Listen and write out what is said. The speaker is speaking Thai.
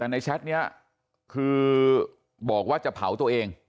แต่ในแชทนี้คือบอกว่าจะเผาตัวเอง